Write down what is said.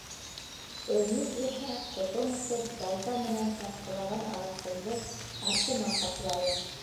Э, мин иһә, ҡотом осоп, балта менән сапҡылаған ағасымды артыма ҡаплайым.